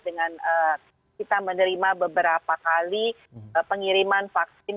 dengan kita menerima beberapa kali pengiriman vaksin